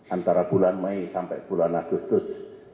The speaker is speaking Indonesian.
antara bulan mei sampai bulan agustus seribu sembilan ratus empat puluh lima